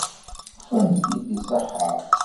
Tufamt-t-id iṣeḥḥa.